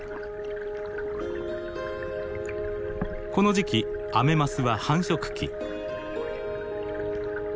この時期アメマスは繁殖期。